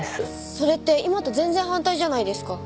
それって今と全然反対じゃないですか。